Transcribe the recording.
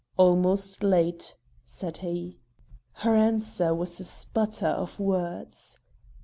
"Almost late," said he. Her answer was a sputter of words.